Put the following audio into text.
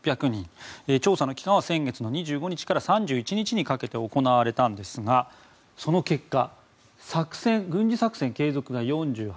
調査の期間は先月の２５日から３１日にかけて行われたんですがその結果軍事作戦継続が４８％